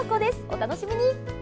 お楽しみに。